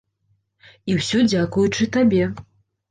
І ўсё дзякуючы табе!